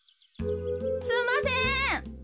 すんません。